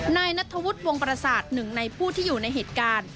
นายนัทธวุฒิวงประสาทหนึ่งในผู้ที่อยู่ในเหตุการณ์